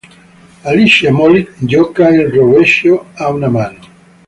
Alicia Molik gioca il rovescio a una mano.